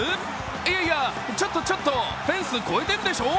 いやいや、ちょっとちょっと、フェンス越えてるでしょ。